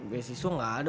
beasiswa nggak ada